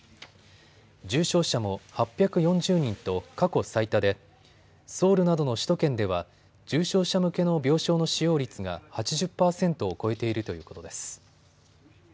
重症者も８４０人と過去最多でソウルなどの首都圏では重症者向けの病床の使用率が８０％を超えているということです。